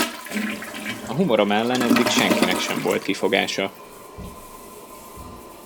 A humorom ellen eddig senkinek sem volt kifogása.